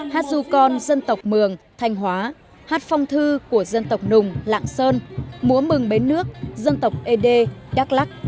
hát du con dân tộc mường thanh hóa hát phong thư của dân tộc nùng lạng sơn múa mừng bến nước dân tộc ế đê đắk lắc